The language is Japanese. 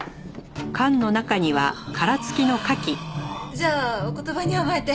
じゃあお言葉に甘えて。